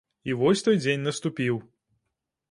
І вось той дзень наступіў.